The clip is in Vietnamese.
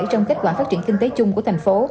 trong kết quả phát triển kinh tế chung của thành phố